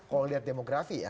kalau lihat demografi ya